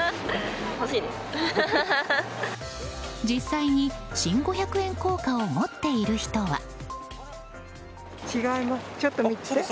実際に新五百円硬貨を持っている人は。